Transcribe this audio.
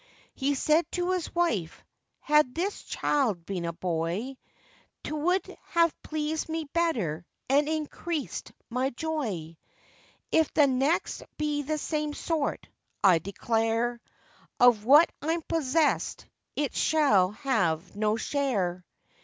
He said to his wife, 'Had this child been a boy, 'Twould have pleased me better, and increased my joy, If the next be the same sort, I declare, Of what I'm possessèd it shall have no share.